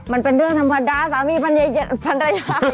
มันเป็นเรื่องธรรมดาสามีภรรยา